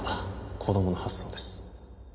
子供の発想です